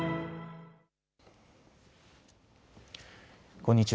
こんにちは。